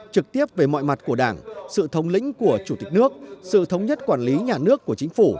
trực tiếp về mọi mặt của đảng sự thống lĩnh của chủ tịch nước sự thống nhất quản lý nhà nước của chính phủ